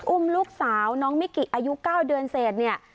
อุ้มลูกสาวน้องมิกิอายุ๙เดือนเสร็จเนี่ย